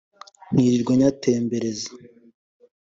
nkirirwa nyatembereza